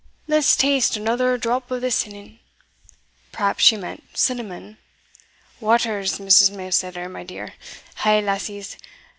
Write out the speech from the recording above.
Let's taste another drop of the sinning" (perhaps she meant cinnamon) "waters, Mrs. Mailsetter, my dear. Ah, lasses!